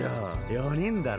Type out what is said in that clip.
四人だろ？